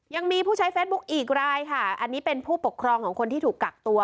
ยังมีผู้ใช้เฟซบุ๊คอีกรายค่ะอันนี้เป็นผู้ปกครองของคนที่ถูกกักตัว